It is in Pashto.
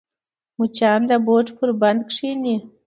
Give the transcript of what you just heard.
مچان د بوټ پر بند کښېني